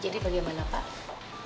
jadi bagaimana pak